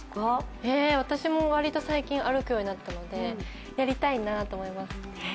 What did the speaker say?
私も割と最近歩くようになったので、やりたいなと思います。